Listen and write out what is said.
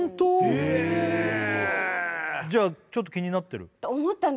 へえじゃちょっと気になってる？